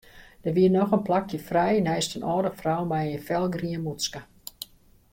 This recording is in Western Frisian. Der wie noch in plakje frij neist in âlde frou mei in felgrien mûtske.